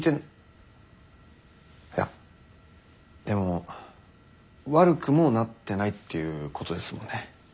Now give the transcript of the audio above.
いやでも悪くもなってないっていうことですもんね。